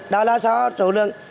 đó là so với số lượng